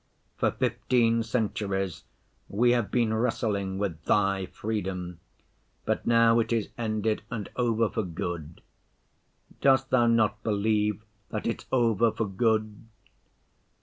For fifteen centuries we have been wrestling with Thy freedom, but now it is ended and over for good. Dost Thou not believe that it's over for good?